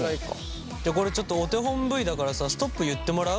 じゃあこれちょっとお手本Ｖだからさストップ言ってもらう？